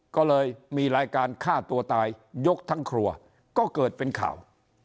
ก็เลยมีรายการฆ่าตัวตายยกทั้งครัวก็เกิดเป็นข่าว